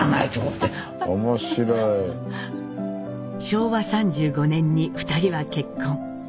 昭和３５年に２人は結婚。